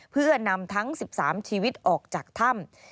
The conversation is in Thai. เพื่อนำทั้ง๑๓ชีวิตออกจากถ้ำ